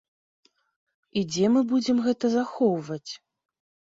І дзе мы будзем гэта захоўваць?